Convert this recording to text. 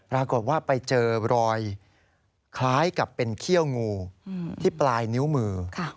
ปรากฏว่าไปเจอรอยคล้ายกับเป็นเขี้ยวงูที่ปลายนิ้วมือ